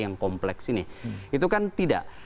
yang kompleks ini itu kan tidak